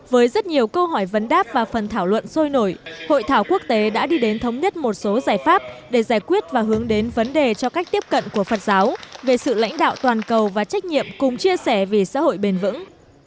với rất nhiều câu hỏi vấn đáp và phần thảo luận sôi nổi hội thảo quốc tế đã đi đến thống nhất một số giải pháp để giải quyết và hướng đến vấn đề cho cách tiếp cận của phật giáo về sự lãnh đạo toàn cầu và trách nhiệm cùng chia sẻ vì xã hội bền vững